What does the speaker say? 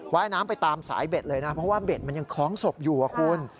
ว่ายน้ำไปตามสายเบ็ดเลยนะเพราะว่าเบ็ดมันยังคล้องศพอยู่อะคุณ